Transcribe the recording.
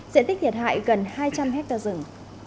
diện tích thiệt hại gần hai trăm linh hectare rừng